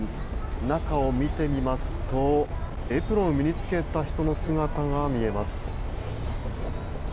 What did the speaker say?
中を見てみますと、エプロンを身につけた人の姿が見えます。